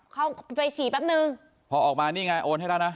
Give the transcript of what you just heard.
เข้าไปฉี่แป๊บนึงพอออกมานี่ไงโอนให้แล้วนะ